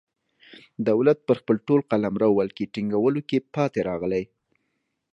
دولت پر خپل ټول قلمرو ولکې ټینګولو کې پاتې راغلی.